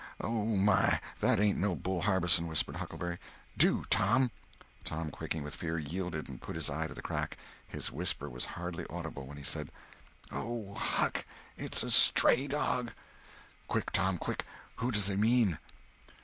"Oh, my! that ain't no Bull Harbison!" whispered Huckleberry. "Do, Tom!" Tom, quaking with fear, yielded, and put his eye to the crack. His whisper was hardly audible when he said: "Oh, Huck, its a stray dog!" "Quick, Tom, quick! Who does he mean?"